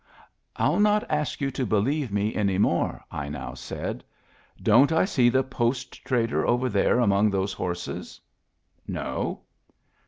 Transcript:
" 111 not ask you to believe me any more," I now said. "Don't I see the post trader over there among those horses?" "No."